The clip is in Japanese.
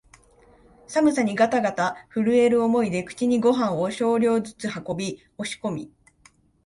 寒さにがたがた震える思いで口にごはんを少量ずつ運び、押し込み、